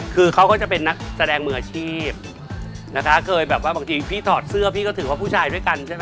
คือเขาก็จะเป็นนักแสดงมืออาชีพนะคะเคยแบบว่าบางทีพี่ถอดเสื้อพี่ก็ถือว่าผู้ชายด้วยกันใช่ไหม